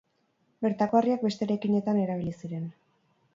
Bertako harriak beste eraikinetan erabili ziren.